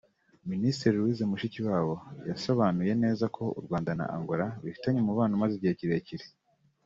Minisitiri Louise Mushikiwabo yasobanuye neza ko u Rwanda na Angola bifitanye umubano umaze igihe kirekire